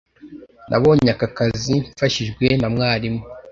Nabonye aka kazi mfashijwe na mwarimu.